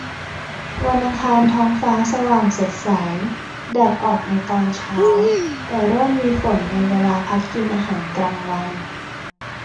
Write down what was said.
วันอังคารท้องฟ้าสว่างสดใส แดดออกในตอนเช้า แต่เริ่มมีฝนในเวลาพักกินอาหารกลางวัน